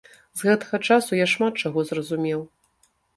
З гэтага часу я шмат чаго зразумеў.